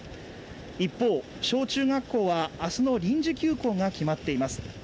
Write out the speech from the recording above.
一方、小中学校は明日の臨時休校が決まっています